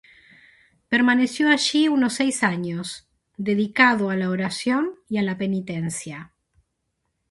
Permaneció allí unos seis años, dedicado a la oración y a la penitencia.